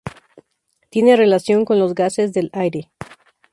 Tiene relación con los gases del aire.